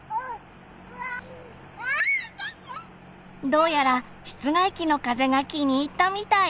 どうやら室外機の風が気に入ったみたい。